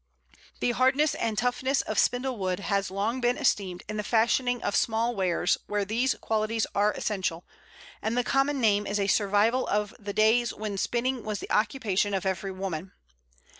] The hardness and toughness of Spindle wood has long been esteemed in the fashioning of small wares where these qualities are essential, and the common name is a survival of the days when spinning was the occupation of every woman.